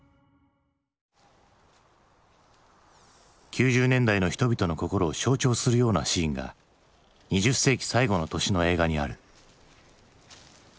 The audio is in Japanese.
９０年代の人々の心を象徴するようなシーンが２０世紀最後の年の映画にある。